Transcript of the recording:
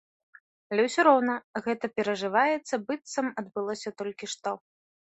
Але ўсё роўна, гэта перажываецца, быццам адбылося толькі што.